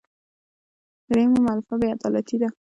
درېیمه مولفه بې عدالتي ده.